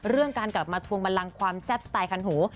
เรื่องการกลับมาทวงบันลังความแซ่บสไตล์คันหู